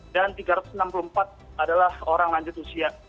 dan tiga ratus enam puluh empat adalah orang lanjut usia